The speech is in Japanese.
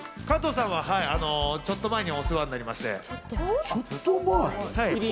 加藤さんはちょっと前にお世話になりまして。